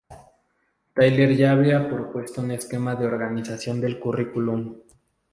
Tyler ya había propuesto un esquema de organización del currículum.